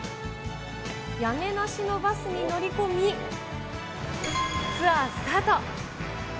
屋根なしのバスに乗り込み、ツアースタート。